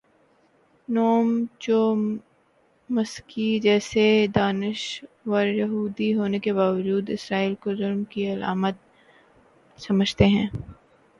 نوم چومسکی جیسے دانش وریہودی ہونے کے باوجود اسرائیل کو ظلم کی علامت سمجھتے ہیں۔